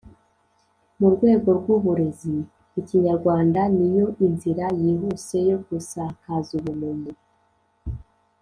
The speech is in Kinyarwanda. mu rwego rw’uburezi, ikinyarwanda ni yo inzira yihuse yo gusakaza ubumenyi,